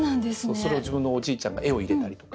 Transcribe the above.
それを自分のおじいちゃんが絵を入れたりとか。